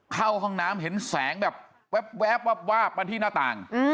เข้าห้องน้ำเห็นแสงแบบแว๊บวาบมาที่หน้าต่าง